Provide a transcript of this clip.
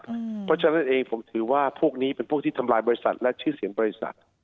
เพราะฉะนั้นเองผมถือว่าพวกนี้เป็นพวกที่ทำลายบริษัทและชื่อเสียงบริษัท